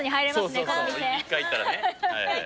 １回行ったらね。